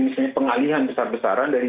misalnya pengalihan besar besaran dari